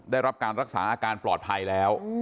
ได้รับการรักษาอาการปลอดภัยแล้ว